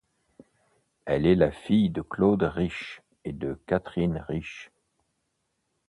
Elle est la fille de Claude Rich et de Catherine Rich.